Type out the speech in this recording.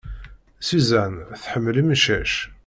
Susan, tḥemmel imcac.